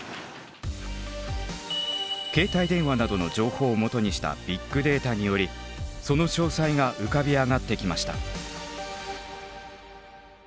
携帯電話などの情報を基にしたビッグデータによりその詳細が浮かび上がってきました。